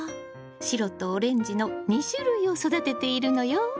白とオレンジの２種類を育てているのよ！